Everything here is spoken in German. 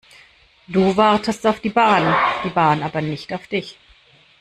Du wartest auf die Bahn, die Bahn aber nicht auf dich.